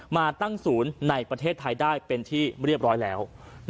มาตั้งศูนย์ในประเทศไทยได้เป็นที่เรียบร้อยแล้ว